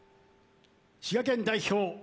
滋賀県代表